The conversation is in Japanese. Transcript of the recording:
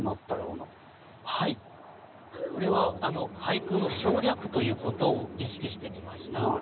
これは俳句の省略ということを意識してみました。